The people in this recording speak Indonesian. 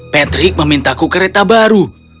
patrick memintaku kereta baru